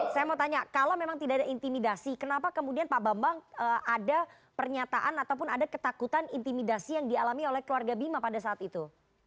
saya mau tanya kalau memang tidak ada intimidasi kenapa kemudian pak bambang ada pernyataan ataupun ada ketakutan intimidasi yang dialami oleh keluarga bima pada saat itu